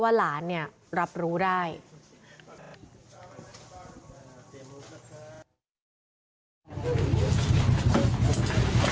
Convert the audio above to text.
พอสำหรับบ้านเรียบร้อยแล้วทุกคนก็ทำพิธีอัญชนดวงวิญญาณนะคะแม่ของน้องเนี้ยจุดทูปเก้าดอกขอเจ้าทาง